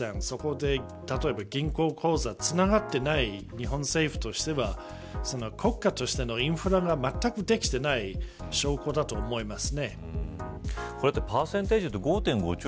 そこで、例えば銀行口座、つながってない日本政府としては国家としてのインフラがまったくできてない証拠だと思います。